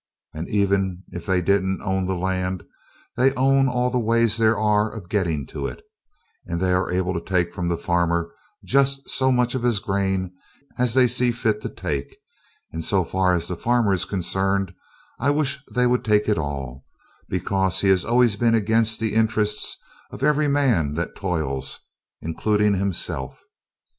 And even if they didn't own the land, they own all the ways there are of getting to it, and they are able to take from the farmer just so much of his grain as they see fit to take, and so far as the farmer is concerned, I wish they would take it all (laughter and applause), because he always has been against the interests of every man that toils, including himself.